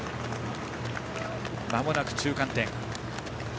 まもなく中間点。